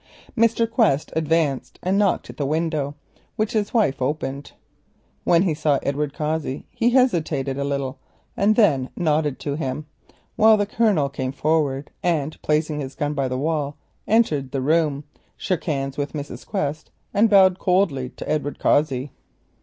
Mr. Quest advanced and knocked at the window, which his wife opened. When he saw Edward Cossey he hesitated a little, then nodded to him, while the Colonel came forward, and placing his gun by the wall entered the room, shook hands with Mrs. Quest, and bowed coldly to Edward Cossey.